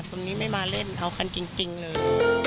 คนนี้ไม่มาเล่นเอาคันจริงเลย